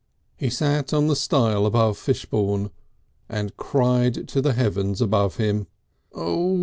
He sat on the stile above Fishbourne and cried to the Heavens above him: "Oh!